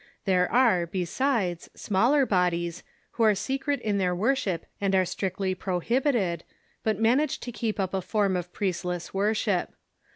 There are, besides, smaller bodies, who are se cret in their worship and are strictly prohibited, but manage to keep up a form of priestless worship.